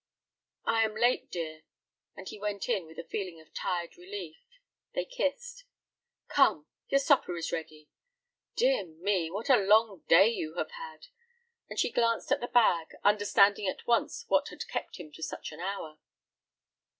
"I am late, dear," and he went in with a feeling of tired relief. They kissed. "Come, your supper is ready. Dear me, what a long day you have had!" and she glanced at the bag, understanding at once what had kept him to such an hour.